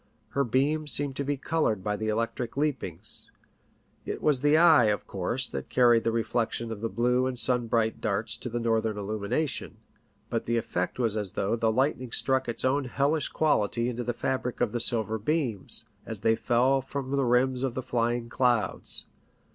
Her beams seemed to be coloured by the electric leapings. It was the eye, of course, that carried the reflection of the blue and sun bright darts to the northern illumination ; but the effect was as though the lightning struck its own PICTURES AT SEA. 67 hellish quality into the fabric of the silver beams, as they fell from the rims of the flying clouds.